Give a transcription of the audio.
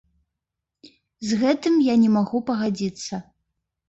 З гэтым я не магу пагадзіцца.